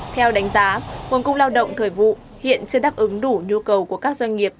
theo đánh giá nguồn cung lao động thời vụ hiện chưa đáp ứng đủ nhu cầu của các doanh nghiệp